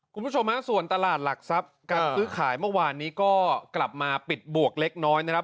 คุณผู้ชมฮะส่วนตลาดหลักทรัพย์การซื้อขายเมื่อวานนี้ก็กลับมาปิดบวกเล็กน้อยนะครับ